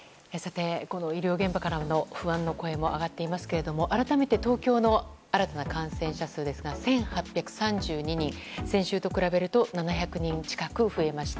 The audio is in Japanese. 医療現場からの不安の声も上がっていますが改めて、東京の新たな感染者数は１８３２人で先週と比べると７００人近く増えました。